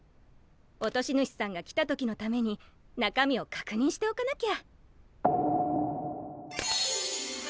落とし主さんが来た時のために中身を確認しておかなきゃ。